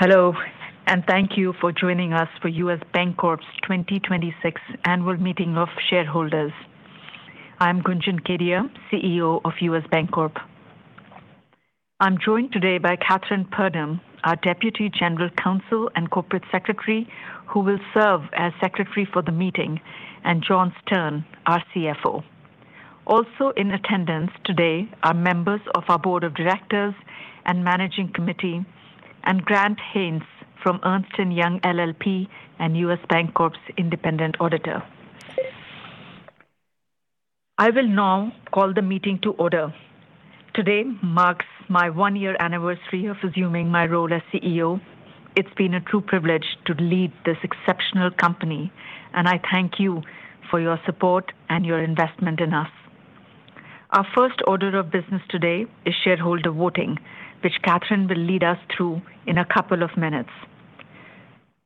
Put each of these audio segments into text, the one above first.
Hello, and thank you for joining us for U.S. Bancorp's 2026 Annual Meeting of Shareholders. I'm Gunjan Kedia, CEO of U.S. Bancorp. I'm joined today by Kathryn Purdom, our Deputy General Counsel and Corporate Secretary, who will serve as secretary for the meeting, and John Stern, our CFO. Also in attendance today are members of our board of directors and managing committee, and Grant Haines from Ernst & Young LLP and U.S. Bancorp's independent auditor. I will now call the meeting to order. Today marks my one-year anniversary of assuming my role as CEO. It's been a true privilege to lead this exceptional company, and I thank you for your support and your investment in us. Our first order of business today is shareholder voting, which Kathryn will lead us through in a couple of minutes.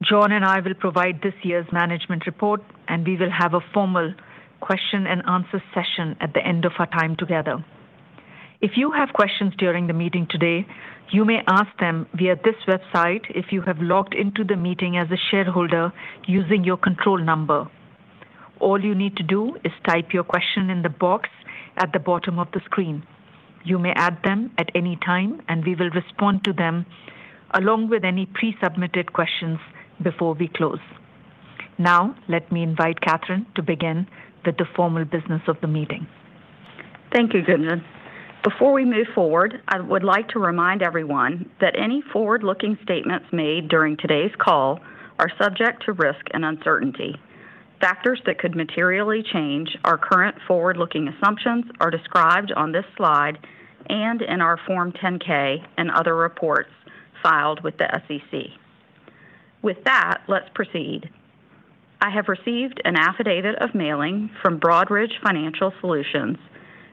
John and I will provide this year's management report, and we will have a formal question and answer session at the end of our time together. If you have questions during the meeting today, you may ask them via this website if you have logged into the meeting as a shareholder using your control number. All you need to do is type your question in the box at the bottom of the screen. You may add them at any time, and we will respond to them along with any pre-submitted questions before we close. Now, let me invite Kathryn to begin with the formal business of the meeting. Thank you, Gunjan. Before we move forward, I would like to remind everyone that any forward-looking statements made during today's call are subject to risk and uncertainty. Factors that could materially change our current forward-looking assumptions are described on this slide and in our Form 10-K and other reports filed with the SEC. With that, let's proceed. I have received an affidavit of mailing from Broadridge Financial Solutions,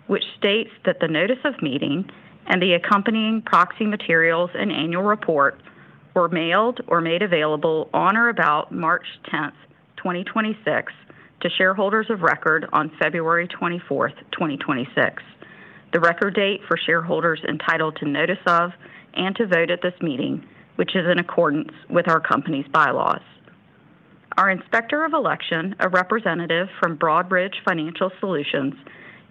which states that the notice of meeting and the accompanying proxy materials and annual report were mailed or made available on or about March 10th, 2026, to shareholders of record on February 24th, 2026, the record date for shareholders entitled to notice of and to vote at this meeting, which is in accordance with our company's bylaws. Our inspector of election, a representative from Broadridge Financial Solutions,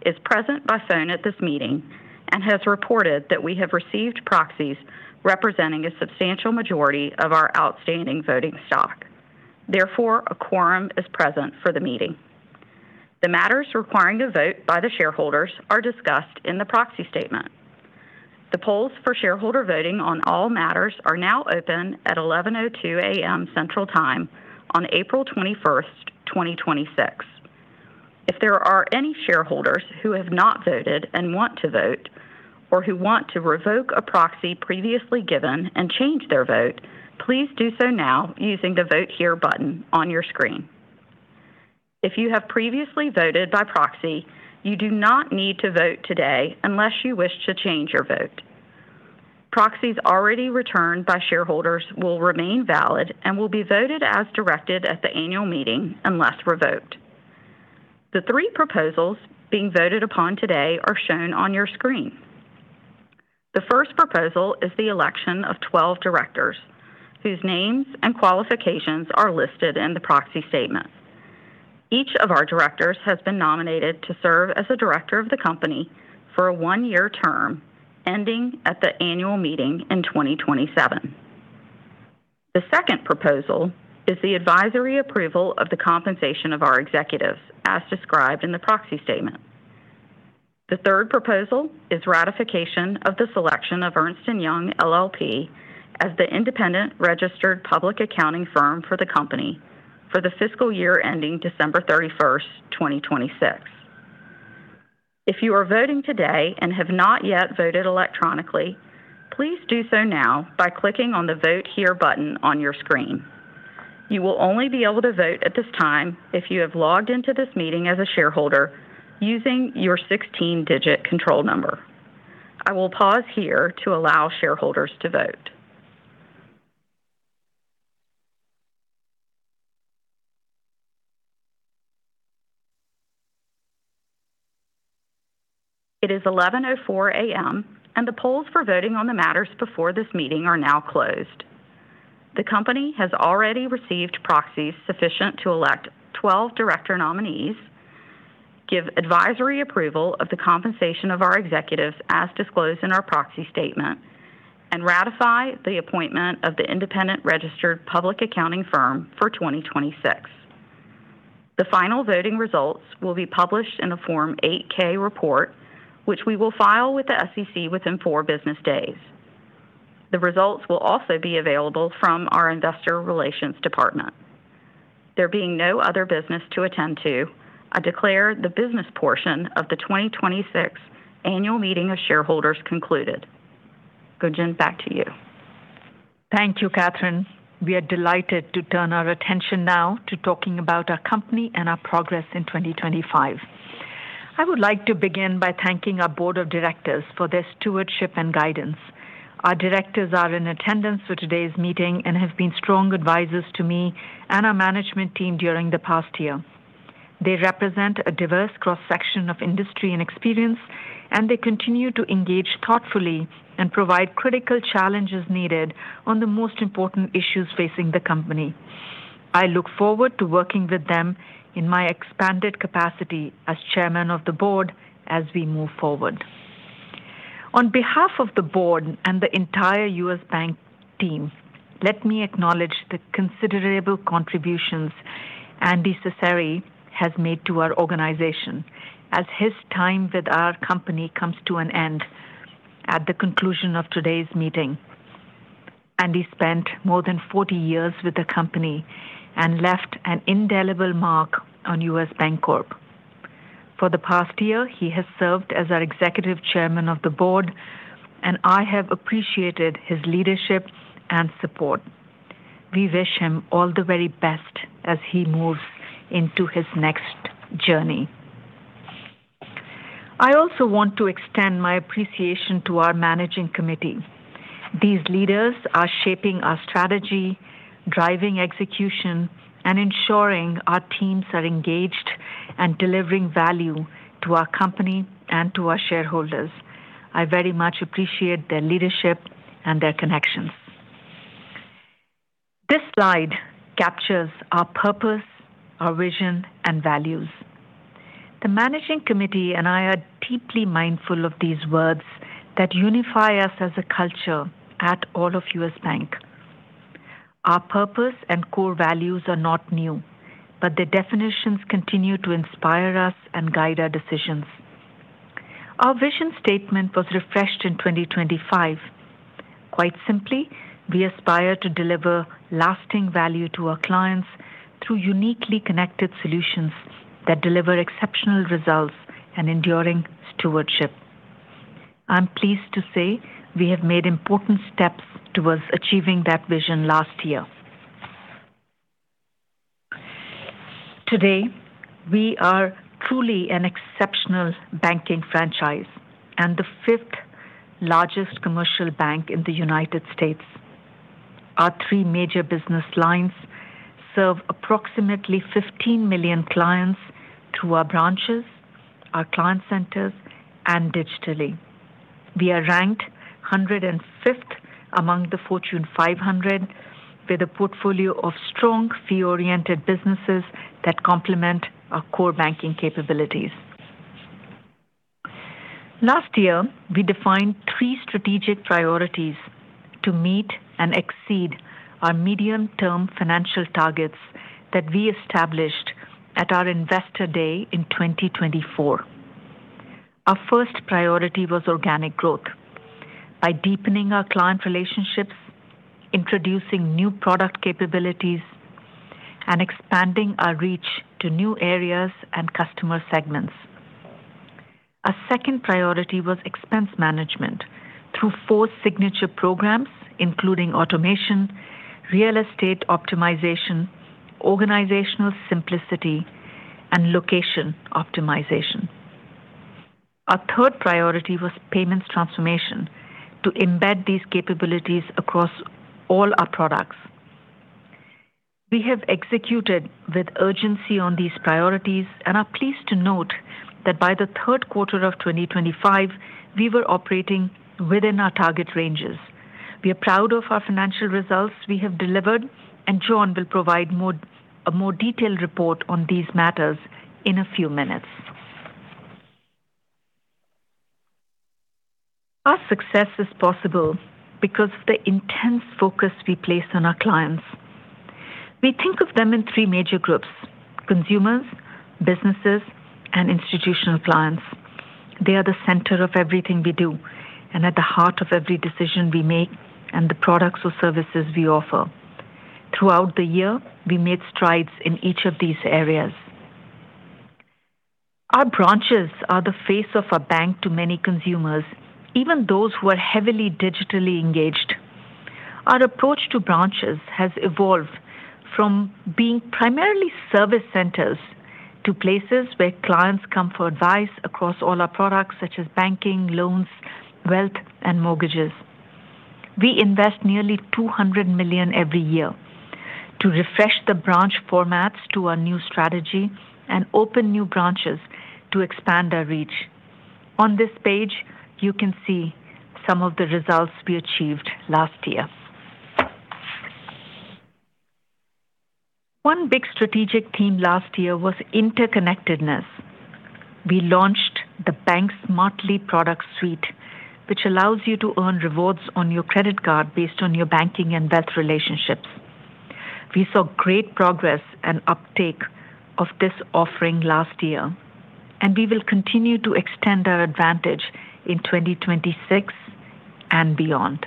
is present by phone at this meeting and has reported that we have received proxies representing a substantial majority of our outstanding voting stock. Therefore, a quorum is present for the meeting. The matters requiring a vote by the shareholders are discussed in the proxy statement. The polls for shareholder voting on all matters are now open at 11:02 A.M. Central Time on April 21st, 2026. If there are any shareholders who have not voted and want to vote or who want to revoke a proxy previously given and change their vote, please do so now using the Vote Here button on your screen. If you have previously voted by proxy, you do not need to vote today unless you wish to change your vote. Proxies already returned by shareholders will remain valid and will be voted as directed at the annual meeting unless revoked. The three proposals being voted upon today are shown on your screen. The first proposal is the election of 12 directors whose names and qualifications are listed in the proxy statement. Each of our directors has been nominated to serve as a director of the company for a one-year term ending at the annual meeting in 2027. The second proposal is the advisory approval of the compensation of our executives, as described in the proxy statement. The third proposal is ratification of the selection of Ernst & Young LLP as the independent registered public accounting firm for the company for the fiscal year ending December 31st, 2026. If you are voting today and have not yet voted electronically, please do so now by clicking on the Vote Here button on your screen. You will only be able to vote at this time if you have logged into this meeting as a shareholder using your 16-digit control number. I will pause here to allow shareholders to vote. It is 11:04 A.M., and the polls for voting on the matters before this meeting are now closed. The company has already received proxies sufficient to elect 12 director nominees, give advisory approval of the compensation of our executives as disclosed in our proxy statement, and ratify the appointment of the independent registered public accounting firm for 2026. The final voting results will be published in a Form 8-K report, which we will file with the SEC within four business days. The results will also be available from our investor relations department. There being no other business to attend to, I declare the business portion of the 2026 Annual Meeting of Shareholders concluded. Gunjan, back to you. Thank you, Kathryn. We are delighted to turn our attention now to talking about our company and our progress in 2025. I would like to begin by thanking our board of directors for their stewardship and guidance. Our directors are in attendance for today's meeting and have been strong advisors to me and our management team during the past year. They represent a diverse cross-section of industry and experience, and they continue to engage thoughtfully and provide critical challenges needed on the most important issues facing the company. I look forward to working with them in my expanded capacity as chairman of the board as we move forward. On behalf of the board and the entire U.S. Bank team, let me acknowledge the considerable contributions Andy Cecere has made to our organization as his time with our company comes to an end at the conclusion of today's meeting. Andy spent more than 40 years with the company and left an indelible mark on U.S. Bancorp. For the past year, he has served as our Executive Chairman of the board, and I have appreciated his leadership and support. We wish him all the very best as he moves into his next journey. I also want to extend my appreciation to our Managing Committee. These leaders are shaping our strategy, driving execution, and ensuring our teams are engaged and delivering value to our company and to our shareholders. I very much appreciate their leadership and their connections. This slide captures our purpose, our vision, and values. The Managing Committee and I are deeply mindful of these words that unify us as a culture at all of U.S. Bank. Our purpose and core values are not new, but the definitions continue to inspire us and guide our decisions. Our vision statement was refreshed in 2025. Quite simply, we aspire to deliver lasting value to our clients through uniquely connected solutions that deliver exceptional results and enduring stewardship. I'm pleased to say we have made important steps towards achieving that vision last year. Today, we are truly an exceptional banking franchise and the fifth largest commercial bank in the United States. Our three major business lines serve approximately 15 million clients through our branches, our client centers, and digitally. We are ranked 105th among the Fortune 500 with a portfolio of strong fee-oriented businesses that complement our core banking capabilities. Last year, we defined three strategic priorities to meet and exceed our medium-term financial targets that we established at our Investor Day in 2024. Our first priority was organic growth by deepening our client relationships, introducing new product capabilities, and expanding our reach to new areas and customer segments. Our second priority was expense management through four signature programs, including automation, real estate optimization, organizational simplicity, and location optimization. Our third priority was payments transformation to embed these capabilities across all our products. We have executed with urgency on these priorities and are pleased to note that by the third quarter of 2025, we were operating within our target ranges. We are proud of our financial results we have delivered, and John will provide a more detailed report on these matters in a few minutes. Our success is possible because of the intense focus we place on our clients. We think of them in three major groups, consumers, businesses, and institutional clients. They are the center of everything we do and at the heart of every decision we make and the products or services we offer. Throughout the year, we made strides in each of these areas. Our branches are the face of our bank to many consumers, even those who are heavily digitally engaged. Our approach to branches has evolved from being primarily service centers to places where clients come for advice across all our products, such as banking, loans, wealth, and mortgages. We invest nearly $200 million every year to refresh the branch formats to our new strategy and open new branches to expand our reach. On this page, you can see some of the results we achieved last year. One big strategic theme last year was interconnectedness. We launched the Bank Smartly product suite, which allows you to earn rewards on your credit card based on your banking and wealth relationships. We saw great progress and uptake of this offering last year, and we will continue to extend our advantage in 2026 and beyond.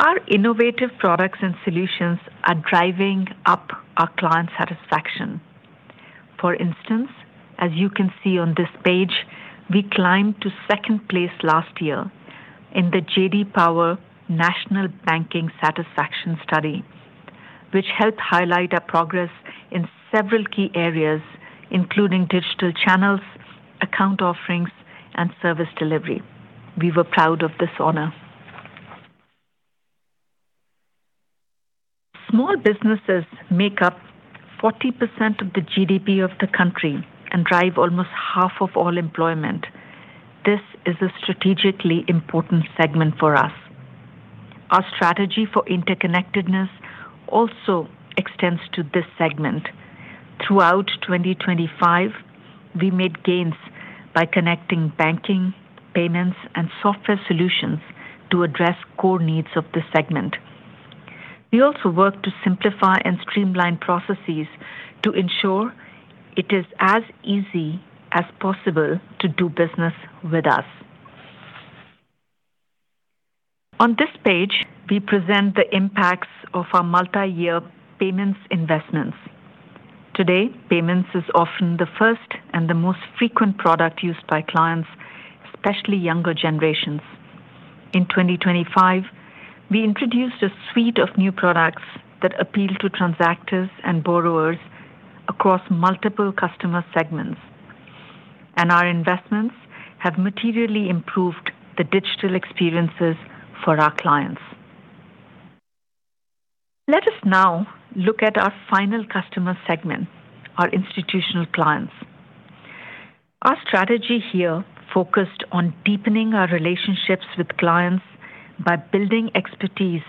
Our innovative products and solutions are driving up our client satisfaction. For instance, as you can see on this page, we climbed to second place last year in the JD Power U.S. National Banking Satisfaction Study, which helped highlight our progress in several key areas, including digital channels, account offerings, and service delivery. We were proud of this honor. Small businesses make up 40% of the GDP of the country and drive almost half of all employment. This is a strategically important segment for us. Our strategy for interconnectedness also extends to this segment. Throughout 2025, we made gains by connecting banking, payments, and software solutions to address core needs of this segment. We also worked to simplify and streamline processes to ensure it is as easy as possible to do business with us. On this page, we present the impacts of our multi-year payments investments. Today, payments is often the first and the most frequent product used by clients, especially younger generations. In 2025, we introduced a suite of new products that appeal to transactors and borrowers across multiple customer segments. Our investments have materially improved the digital experiences for our clients. Let us now look at our final customer segment, our institutional clients. Our strategy here focused on deepening our relationships with clients by building expertise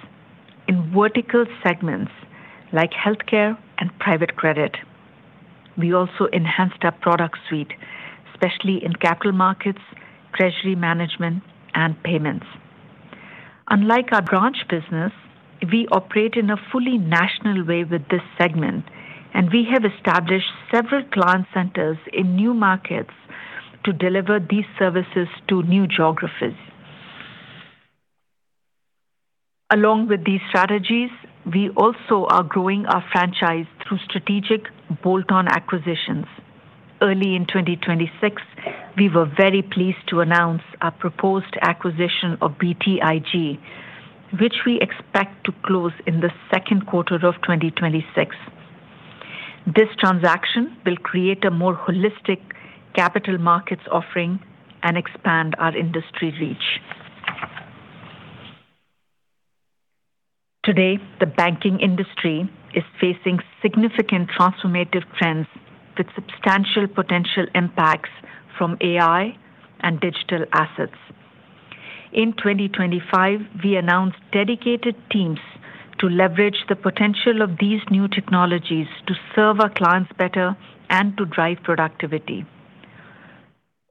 in vertical segments like Healthcare and Private Credit. We also enhanced our product suite, especially in capital markets, treasury management, and payments. Unlike our branch business, we operate in a fully national way with this segment, and we have established several client centers in new markets to deliver these services to new geographies. Along with these strategies, we also are growing our franchise through strategic bolt-on acquisitions. Early in 2026, we were very pleased to announce our proposed acquisition of BTIG, which we expect to close in the second quarter of 2026. This transaction will create a more holistic capital markets offering and expand our industry reach. Today, the banking industry is facing significant transformative trends with substantial potential impacts from AI and digital assets. In 2025, we announced dedicated teams to leverage the potential of these new technologies to serve our clients better and to drive productivity.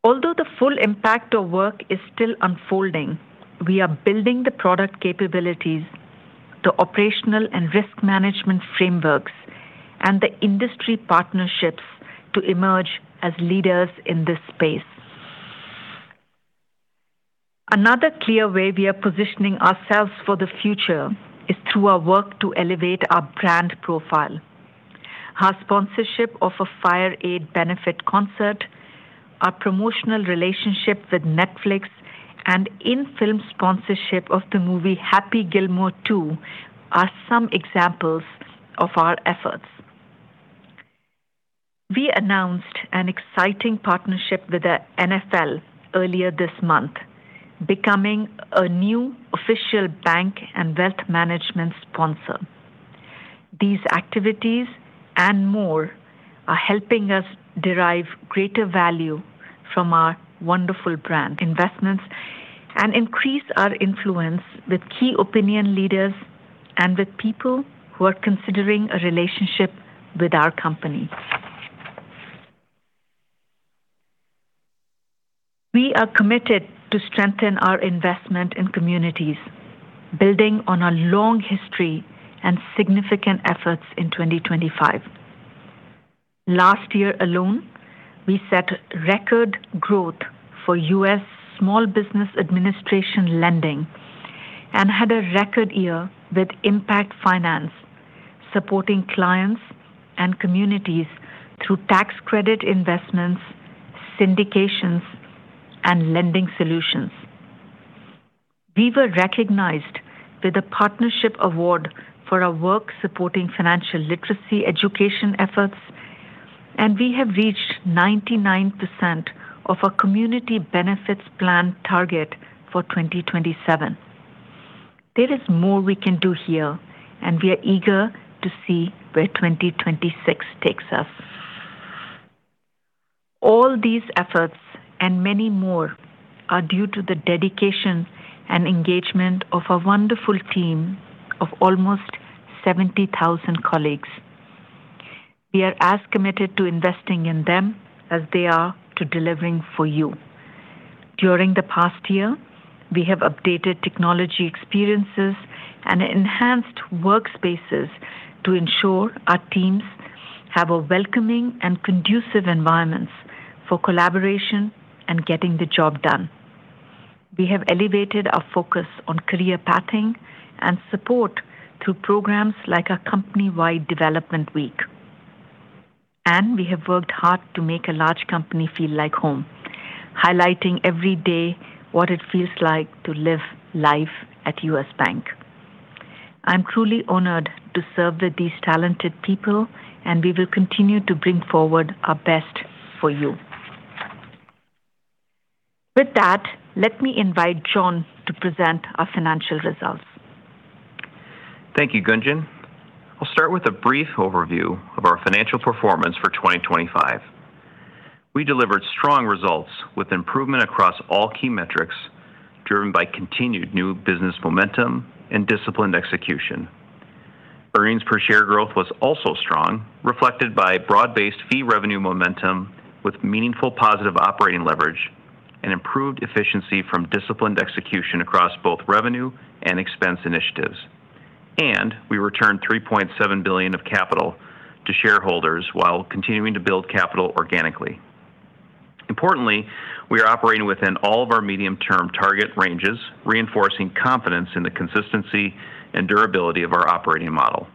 Although the full impact of work is still unfolding, we are building the product capabilities, the operational and risk management frameworks, and the industry partnerships to emerge as leaders in this space. Another clear way we are positioning ourselves for the future is through our work to elevate our brand profile. Our sponsorship of a FireAid benefit concert, our promotional relationship with Netflix, and in-film sponsorship of the movie "Happy Gilmore 2" are some examples of our efforts. We announced an exciting partnership with the NFL earlier this month, becoming a new official bank and wealth management sponsor. These activities, and more, are helping us derive greater value from our wonderful brand investments and increase our influence with key opinion leaders and with people who are considering a relationship with our company. We are committed to strengthen our investment in communities, building on a long history and significant efforts in 2025. Last year alone, we set record growth for U.S. Small Business Administration lending and had a record year with Impact Finance, supporting clients and communities through tax credit investments, syndications, and lending solutions. We were recognized with a partnership award for our work supporting financial literacy education efforts, and we have reached 99% of our community benefits plan target for 2027. There is more we can do here, and we are eager to see where 2026 takes us. All these efforts, and many more, are due to the dedication and engagement of a wonderful team of almost 70,000 colleagues. We are as committed to investing in them as they are to delivering for you. During the past year, we have updated technology experiences and enhanced workspaces to ensure our teams have a welcoming and conducive environment for collaboration and getting the job done. We have elevated our focus on career pathing and support through programs like our company-wide development week. We have worked hard to make a large company feel like home, highlighting every day what it feels like to live life at U.S. Bank. I'm truly honored to serve with these talented people, and we will continue to bring forward our best for you. With that, let me invite John to present our financial results. Thank you, Gunjan. I'll start with a brief overview of our financial performance for 2025. We delivered strong results with improvement across all key metrics, driven by continued new business momentum and disciplined execution. Earnings per share growth was also strong, reflected by broad-based fee revenue momentum with meaningful positive operating leverage and improved efficiency from disciplined execution across both revenue and expense initiatives. We returned $3.7 billion of capital to shareholders while continuing to build capital organically. Importantly, we are operating within all of our medium-term target ranges, reinforcing confidence in the consistency and durability of our operating model.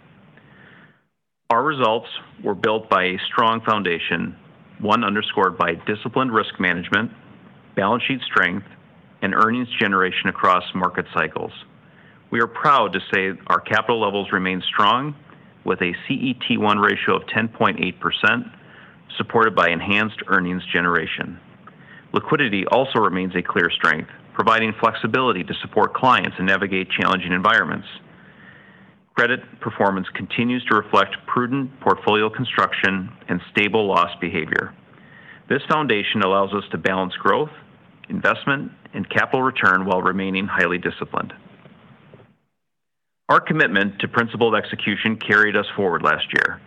Our results were built by a strong foundation, one underscored by disciplined risk management, balance sheet strength, and earnings generation across market cycles. We are proud to say our capital levels remain strong with a CET1 ratio of 10.8%, supported by enhanced earnings generation. Liquidity also remains a clear strength, providing flexibility to support clients and navigate challenging environments. Credit performance continues to reflect prudent portfolio construction and stable loss behavior. This foundation allows us to balance growth, investment, and capital return while remaining highly disciplined. Our commitment to principled execution carried us forward last year.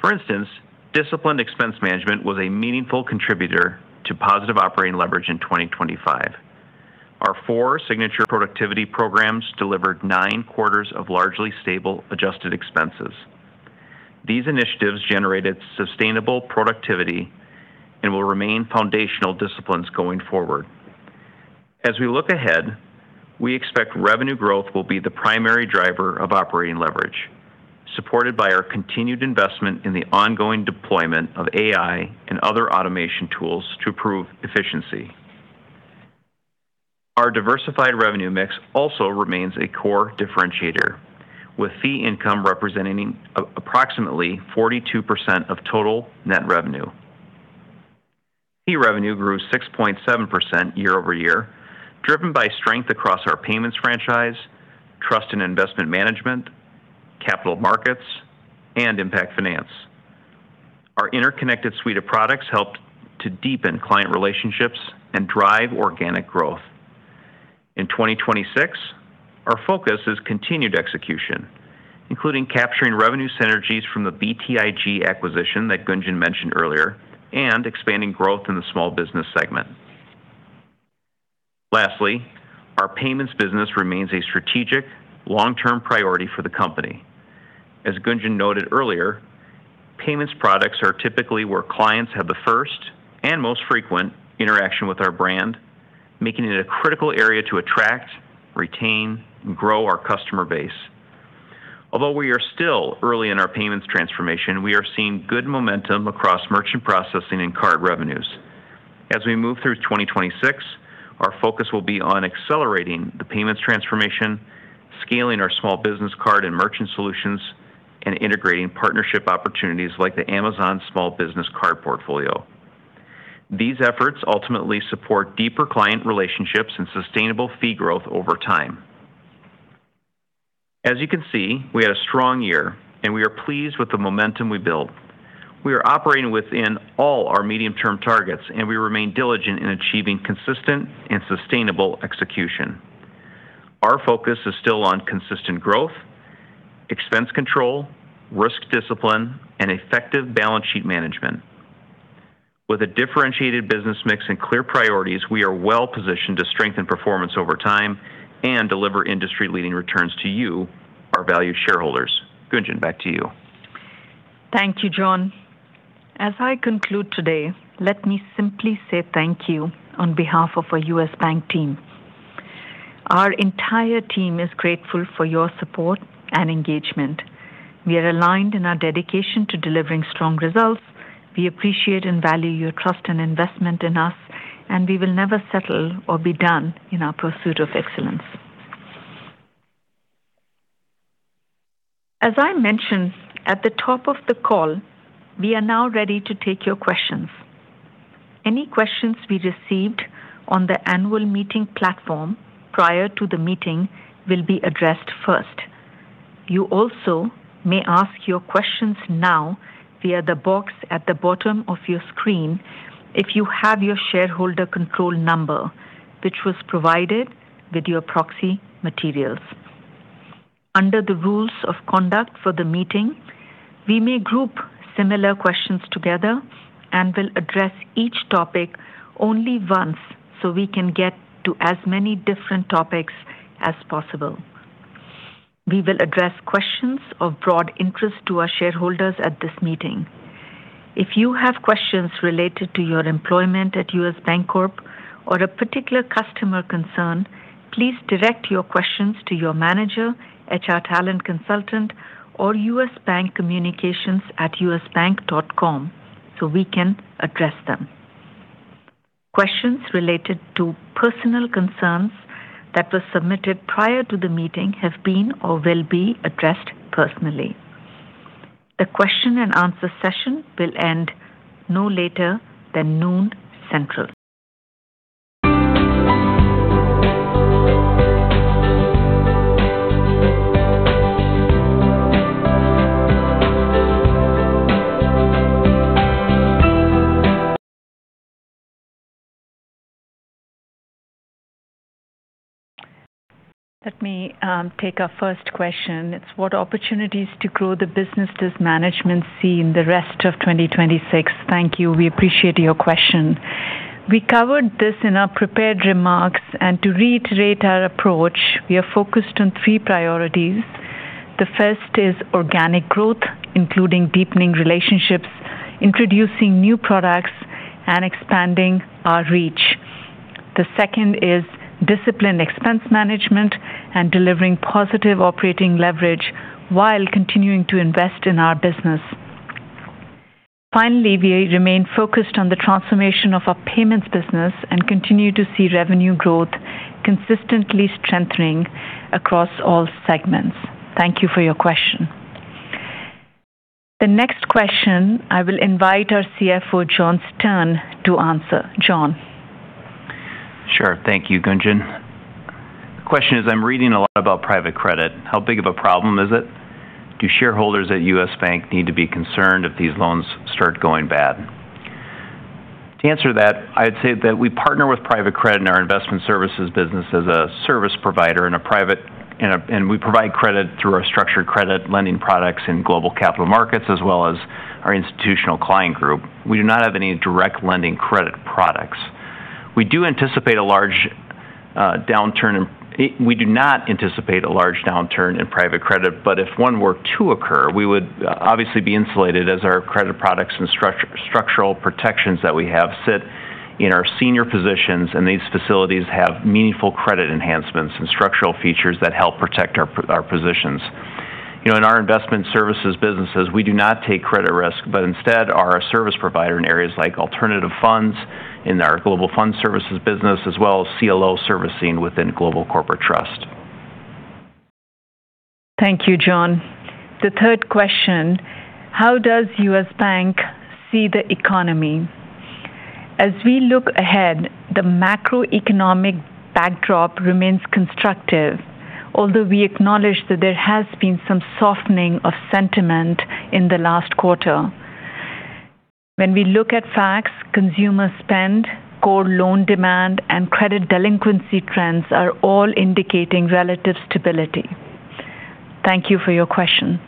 For instance, disciplined expense management was a meaningful contributor to positive operating leverage in 2025. Our four signature productivity programs delivered nine quarters of largely stable adjusted expenses. These initiatives generated sustainable productivity and will remain foundational disciplines going forward. As we look ahead, we expect revenue growth will be the primary driver of operating leverage, supported by our continued investment in the ongoing deployment of AI and other automation tools to improve efficiency. Our diversified revenue mix also remains a core differentiator, with fee income representing approximately 42% of total net revenue. Fee revenue grew 6.7% year-over-year, driven by strength across our payments franchise, trust and investment management, capital markets, and Impact Finance. Our interconnected suite of products helped to deepen client relationships and drive organic growth. In 2026, our focus is continued execution, including capturing revenue synergies from the BTIG acquisition that Gunjan mentioned earlier, and expanding growth in the small business segment. Lastly, our payments business remains a strategic long-term priority for the company. As Gunjan noted earlier, payments products are typically where clients have the first and most frequent interaction with our brand, making it a critical area to attract, retain, and grow our customer base. Although we are still early in our payments transformation, we are seeing good momentum across merchant processing and card revenues. As we move through 2026, our focus will be on accelerating the payments transformation, scaling our small business card and merchant solutions, and integrating partnership opportunities like the Amazon Small Business Card portfolio. These efforts ultimately support deeper client relationships and sustainable fee growth over time. As you can see, we had a strong year, and we are pleased with the momentum we built. We are operating within all our medium-term targets, and we remain diligent in achieving consistent and sustainable execution. Our focus is still on consistent growth, expense control, risk discipline, and effective balance sheet management. With a differentiated business mix and clear priorities, we are well positioned to strengthen performance over time and deliver industry-leading returns to you, our valued shareholders. Gunjan, back to you. Thank you, John. As I conclude today, let me simply say thank you on behalf of our U.S. Bank team. Our entire team is grateful for your support and engagement. We are aligned in our dedication to delivering strong results. We appreciate and value your trust and investment in us, and we will never settle or be done in our pursuit of excellence. As I mentioned at the top of the call, we are now ready to take your questions. Any questions we received on the annual meeting platform prior to the meeting will be addressed first. You also may ask your questions now via the box at the bottom of your screen if you have your shareholder control number, which was provided with your proxy materials. Under the rules of conduct for the meeting, we may group similar questions together and will address each topic only once so we can get to as many different topics as possible. We will address questions of broad interest to our shareholders at this meeting. If you have questions related to your employment at U.S. Bancorp or a particular customer concern, please direct your questions to your manager, HR talent consultant, or usbankcommunications@usbank.com so we can address them. Questions related to personal concerns that were submitted prior to the meeting have been or will be addressed personally. The question and answer session will end no later than noon Central. Let me take our first question. It's what opportunities to grow the business does management see in the rest of 2026? Thank you. We appreciate your question. We covered this in our prepared remarks, and to reiterate our approach, we are focused on three priorities. The first is organic growth, including deepening relationships, introducing new products, and expanding our reach. The second is disciplined expense management and delivering positive operating leverage while continuing to invest in our business. Finally, we remain focused on the transformation of our payments business and continue to see revenue growth consistently strengthening across all segments. Thank you for your question. The next question, I will invite our CFO, John Stern, to answer. John. Sure. Thank you, Gunjan. The question is, I'm reading a lot about Private Credit. How big of a problem is it? Do shareholders at U.S. Bank need to be concerned if these loans start going bad? To answer that, I'd say that we partner with Private Credit in our investment services business as a service provider, and we provide credit through our structured credit lending products in Global Capital Markets, as well as our institutional client group. We do not have any direct lending credit products. We do not anticipate a large downturn in Private Credit, but if one were to occur, we would obviously be insulated as our credit products and structural protections that we have sit in our senior positions, and these facilities have meaningful credit enhancements and structural features that help protect our positions. In our investment services businesses, we do not take credit risk, but instead are a service provider in areas like alternative funds in our Global Fund Services business, as well as CLO servicing within Global Corporate Trust. Thank you, John. The third question, how does U.S. Bank see the economy? As we look ahead, the macroeconomic backdrop remains constructive, although we acknowledge that there has been some softening of sentiment in the last quarter. When we look at facts, consumer spend, core loan demand, and credit delinquency trends are all indicating relative stability. Thank you for your question.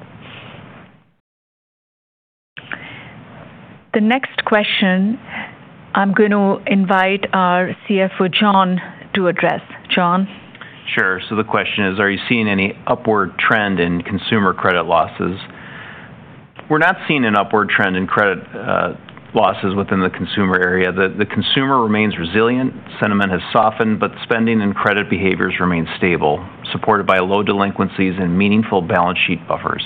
The next question I'm going to invite our CFO, John, to address. John. Sure. The question is, are you seeing any upward trend in consumer credit losses? We're not seeing an upward trend in credit losses within the consumer area. The consumer remains resilient. Sentiment has softened, but spending and credit behaviors remain stable, supported by low delinquencies and meaningful balance sheet buffers.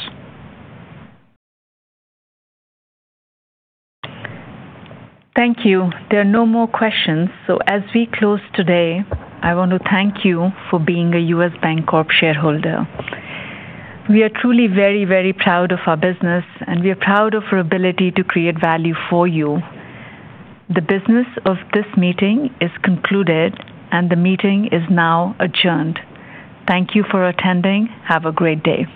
Thank you. There are no more questions. As we close today, I want to thank you for being a U.S. Bancorp shareholder. We are truly very, very proud of our business, and we are proud of our ability to create value for you. The business of this meeting is concluded, and the meeting is now adjourned. Thank you for attending. Have a great day.